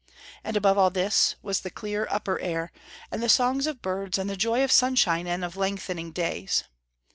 And above all this was the clear, upper air, and the songs of birds and the joy of sunshine and of lengthening days.